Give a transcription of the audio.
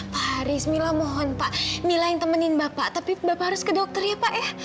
pak haris mila mohon pak mila yang temenin bapak tapi bapak harus ke dokter ya pak ya